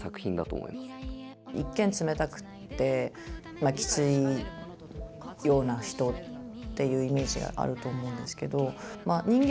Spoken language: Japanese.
一見冷たくってきついような人っていうイメージがあると思うんですけど人間